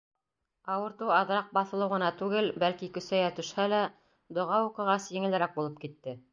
Ауыртыу аҙыраҡ баҫылыу ғына түгел, бәлки көсәйә төшһә лә, доға уҡығас, еңелерәк булып китте.